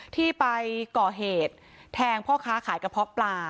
ที่ไปก่อเหตุแทงพ่อค้าขายกระเพาะปลา